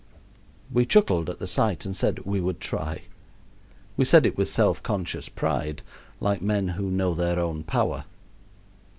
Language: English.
We chuckled at the sight and said we would try. We said it with self conscious pride, like men who know their own power.